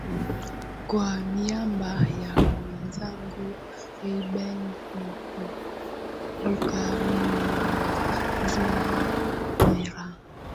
kwa niamba ya mwezangu reuben lukumbuka mimi ni zuhra mwera